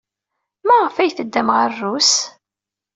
Maɣef ay teddam ɣer Rrus?